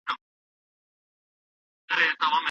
خپل دننه نړۍ وپلټئ.